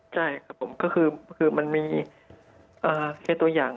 ใช่ครับผมก็คือมันมีแค่ตัวอย่าง